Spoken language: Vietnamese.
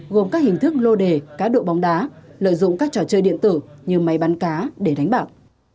gồm các hình thức lô đề cá độ bóng đá lợi dụng các trò chơi điện tử như máy bán cá để đánh bạc